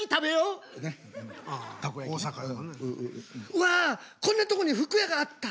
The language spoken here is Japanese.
うわこんなとこに服屋があった。